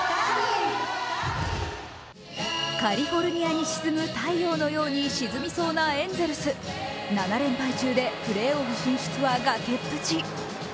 カリフォルニアに沈む太陽のように沈みそうなエンゼルス。７連敗中でプレーオフ進出は崖っぷち。